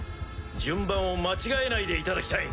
順番を間違えないでいただきたい。